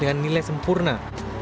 dengan nilai sempurna